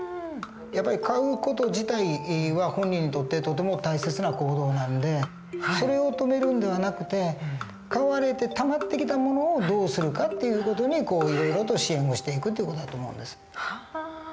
やっぱり買う事自体は本人にとってとても大切な行動なんでそれを止めるんではなくて買われてたまってきたものをどうするかっていう事にいろいろと支援をしていく事だと思うんです。